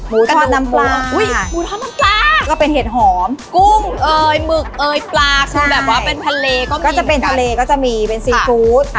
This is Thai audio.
หมูทอดน้ำปลาก็เป็นเห็นหอมกุ้งเอ่ยหมึกเอ่ยปลาก็จะเป็นทะเลก็จะมีเป็นซีฟู้ด